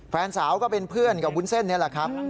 แฟนสาวก็เป็นเพื่อนกับวุ้นเส้นนี่แหละครับ